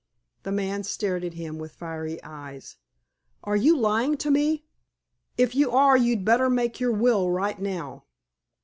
The man stared at him with fiery eyes. "Are you lying to me? If you are you'd better make your will right now."